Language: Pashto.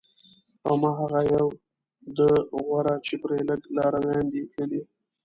او ما هغه یوه ده غوره چې پرې لږ لارویان دي تللي